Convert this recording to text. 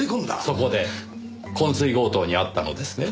そこで昏睡強盗に遭ったのですね？